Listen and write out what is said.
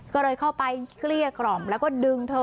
ก็เลยเข้าไปเกลี้ยกล่อมแล้วก็ดึงเธอ